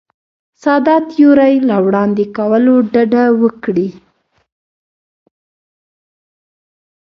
ساده تیورۍ له وړاندې کولو ډډه وکړي.